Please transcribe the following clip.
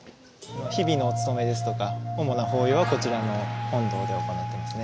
日々のお勤めですとか主な法要はこちらの本堂で行ってますね。